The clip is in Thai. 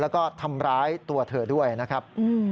แล้วก็ทำร้ายตัวเธอด้วยนะครับ